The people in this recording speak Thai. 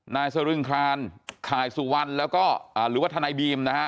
นายเสิริ่งคารขายสุวัลแล้วก็อ่าหรือว่าทนายบีมนะฮะ